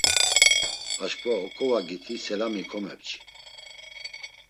Aşǩva oǩovagiti selami komepçi.